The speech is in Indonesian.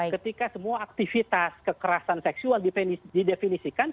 ketika semua aktivitas kekerasan seksual didefinisikan